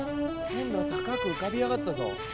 今度は高く浮かび上がったぞ。